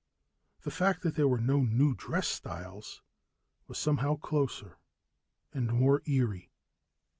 The fact that there were no new dress styles was somehow closer and more eerie.